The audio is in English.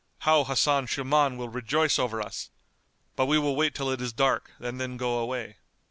How Hasan Shuman will rejoice over us! But we will wait till it is dark and then go away."